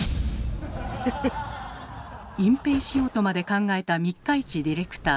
隠蔽しようとまで考えた三日市ディレクター。